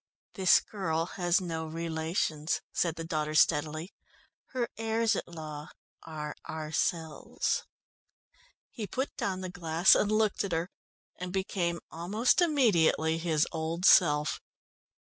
"This girl has no relations," said the daughter steadily. "Her heirs at law are ourselves." He put down the glass, and looked at her, and became almost immediately his old self.